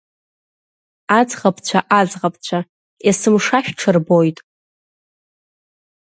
Аӡӷабцәа, аӡӷабцәа, есымша шәҽырбоит…